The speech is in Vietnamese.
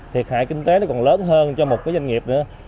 thiệt hại kinh tế nó còn lớn hơn cho một cái doanh nghiệp nữa